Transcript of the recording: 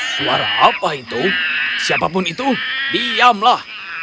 suara apa itu siapapun itu diamlah